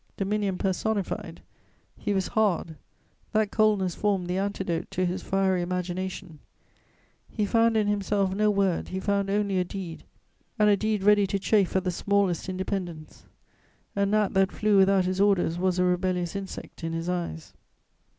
Dominion personified, he was hard; that coldness formed the antidote to his fiery imagination; he found in himself no word, he found only a deed, and a deed ready to chafe at the smallest independence: a gnat that flew without his orders was a rebellious insect in his eyes.